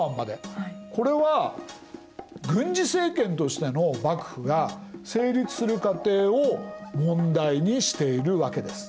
これは軍事政権としての幕府が成立する過程を問題にしているわけです。